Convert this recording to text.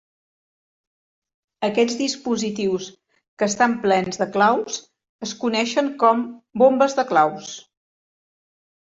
Aquests dispositius que estan plens de claus es coneixen com "bombes de claus".